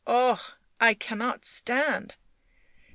" Ah ! I cannot stand.